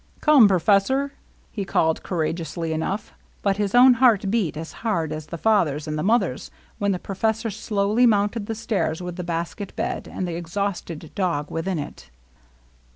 " Come, professor !" he called, courageously enough. But his own heart beat as hard as the father's and the mother's, when the professor slowly mounted the stairs with the basket bed and the exhausted dog within it.